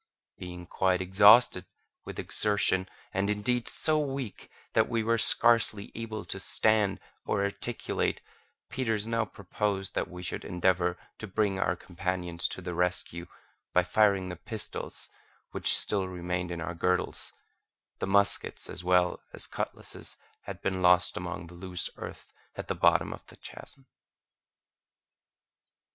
Being quite exhausted with exertion, and indeed, so weak that we were scarcely able to stand or articulate, Peters now proposed that we should endeavour to bring our companions to the rescue by firing the pistols which still remained in our girdles—the muskets as well as cutlasses had been lost among the loose earth at the bottom of the chasm.